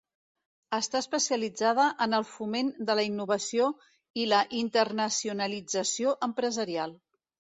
Està especialitzada en el foment de la innovació i la internacionalització empresarial.